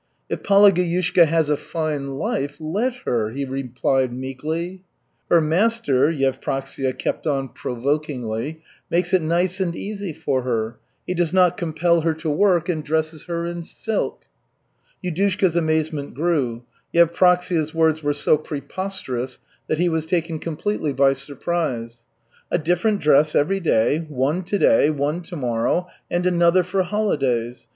"If Palageyushka has a fine life, let her," he replied meekly. "Her master," Yevpraksia kept on provokingly, "makes it nice and easy for her, he does not compel her to work, and dresses her in silk." Yudushka's amazement grew. Yevpraksia's words were so preposterous that he was taken completely by surprise. "A different dress every day, one to day, one to morrow, and another for holidays.